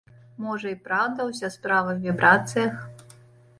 Можа, і праўда ўся справа ў вібрацыях?